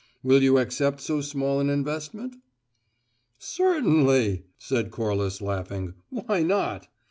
Will you accept so small an investment?" "Certainly," said Corliss, laughing. "Why not?